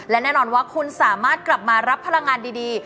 และแน่นอนว่าคุณสามารถกลับมารับพลังงานดี